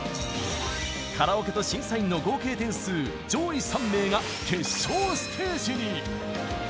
カラオケと審査員の合計点数上位３名が決勝ステージに。